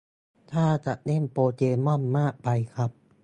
ท่าจะเล่นโปเกม่อนมากไปครับ